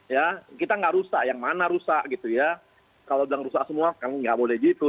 ya kita nggak rusak yang mana rusak gitu ya kalau bilang rusak semua kan nggak boleh gitu